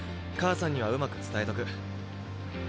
母さんにはうまく伝えとく。